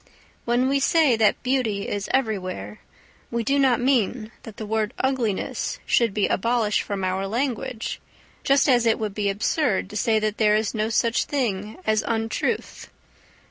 When we say that beauty is everywhere we do not mean that the word ugliness should be abolished from our language, just as it would be absurd to say that there is no such thing as untruth.